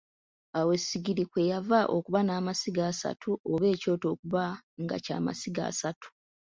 Awo essigiri kwe yava okuba namasiga asatu oba ekyoto okuba nga kyamasiga asatu.